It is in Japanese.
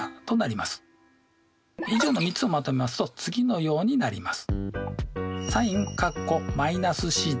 以上の３つをまとめますと次のようになります。